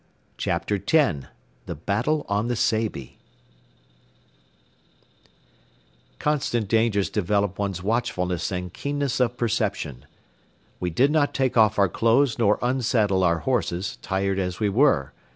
CHAPTER X THE BATTLE ON THE SEYBI Constant dangers develop one's watchfulness and keenness of perception. We did not take off our clothes nor unsaddle our horses, tired as we were.